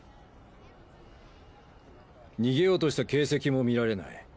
逃げようとした形跡も見られない。